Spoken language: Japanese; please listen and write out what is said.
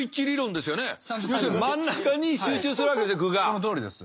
そのとおりです。